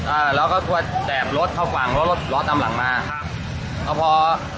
เอ่อแล้วก็ไดนรถเข้าฝั่งแล้วรถรอตามหลังมาครับแล้วเพราะ